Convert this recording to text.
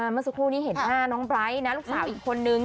เมื่อสักครู่นี้เห็นหน้าน้องไบร์ทนะลูกสาวอีกคนนึง